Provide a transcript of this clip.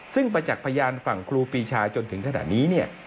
ซึ่งประจักษ์พยานฝั่งครูปีชาจนถึงขณะนี้เนี่ย